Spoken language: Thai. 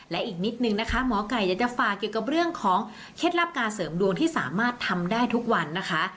และอีกนิดนึงนะคะหมอไก่อยากจะฝากเกี่ยวกับเรื่องของเคล็ดลับการเสริมดวงที่สามารถทำได้ทุกวันนะคะ